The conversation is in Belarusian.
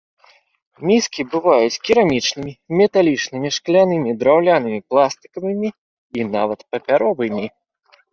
Міскі бываюць керамічнымі, металічнымі, шклянымі, драўлянымі, пластыкавымі і нават папяровымі.